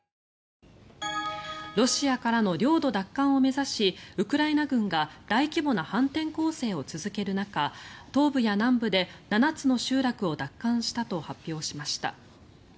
ロシアからの領土奪還を目指しウクライナ軍が大規模な反転攻勢を続ける中東部や南部で７つの集落を奪還したと発表しました。